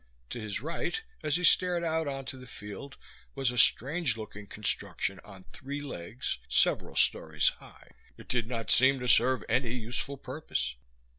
To his right, as he stared out onto the field, was a strange looking construction on three legs, several stories high. It did not seem to serve any useful purpose.